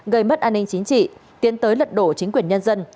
gây mất an ninh chính trị tiến tới lật đổ chính quyền nhân dân